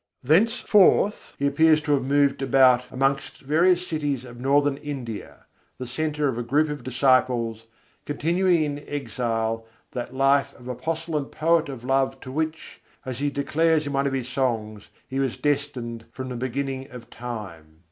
Thenceforth he appears to have moved about amongst various cities of northern India, the centre of a group of disciples; continuing in exile that life of apostle and poet of love to which, as he declares in one of his songs, he was destined "from the beginning of time."